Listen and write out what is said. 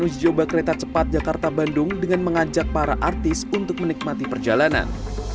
uji coba kereta cepat jakarta bandung dengan mengajak para artis untuk menikmati perjalanan